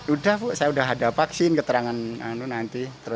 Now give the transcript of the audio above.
udah bu saya udah ada vaksin keterangan nanti